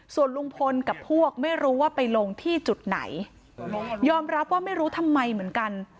ส่วนลุงพลกับพวกไม่รู้ว่าไปลงที่จุดไหนยอมรับว่าไม่รู้ทำไมเหมือนกัน